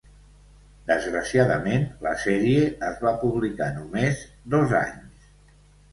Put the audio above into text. Desgraciadament, la sèrie es va publicar només dos anys.